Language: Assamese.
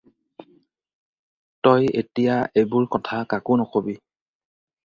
তই এতিয়া এইবোৰ কথা কাকো নকবি।